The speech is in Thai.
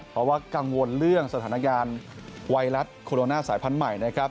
เพราะว่ากังวลเรื่องสถานการณ์ไวรัสโคโรนาสายพันธุ์ใหม่นะครับ